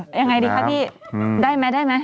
อย่างไรดีครับพี่ได้ไหม